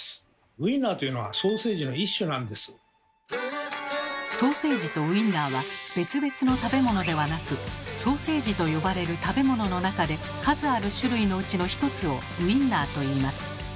ウインナーというのはソーセージとウインナーは別々の食べ物ではなく「ソーセージ」と呼ばれる食べ物の中で数ある種類のうちの一つを「ウインナー」といいます。